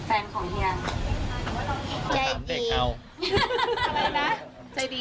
อะไรนะใจดี